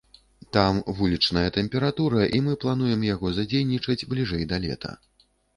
Там вулічная тэмпература, і мы плануем яго задзейнічаць бліжэй да лета.